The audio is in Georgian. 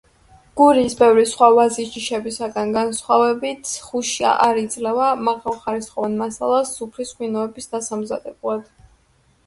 გურიის ბევრი სხვა ვაზის ჯიშებისგან განსხვავებით ხუშია არ იძლევა მაღალხარისხოვან მასალას სუფრის ღვინოების დასამზადებლად.